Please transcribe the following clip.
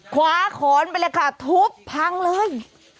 ขวาขอนไปเลยค่ะทุบพังเลย